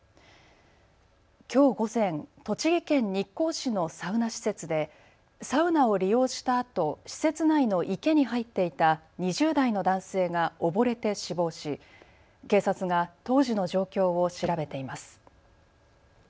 きょう午前、栃木県日光市のサウナ施設でサウナを利用したあと施設内の池に入っていた２０代の男性が溺れて死亡し警察が当時の状況を調べています。